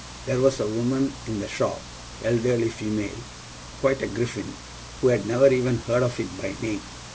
There was a woman in the shop elderly female quite a Griffin who had never even heard of it by name.